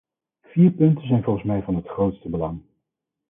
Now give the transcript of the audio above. Vier punten zijn volgens mij van het grootste belang.